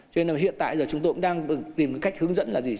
cho nên là hiện tại giờ chúng tôi cũng đang tìm cách hướng dẫn là gì